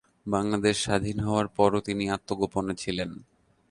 বাংলাদেশ স্বাধীন হওয়ার পরও তিনি আত্মগোপনে ছিলেন।